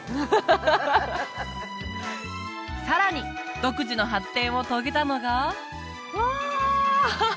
さらに独自の発展を遂げたのがうわ